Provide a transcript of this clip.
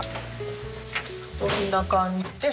こんな感じです。